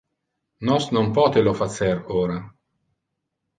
Nos non pote lo facer ora.